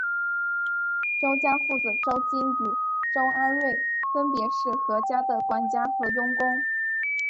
周家父子周金与周阿瑞分别是何家的管家和佣工。